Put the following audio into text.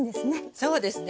そうですね。